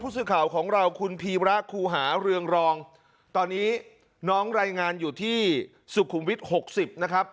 สื่อข่าวของเราคุณพีระคูหาเรืองรองตอนนี้น้องรายงานอยู่ที่สุขุมวิทย์๖๐นะครับ